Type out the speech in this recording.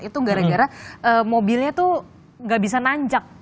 itu gara gara mobilnya tuh gak bisa nanjak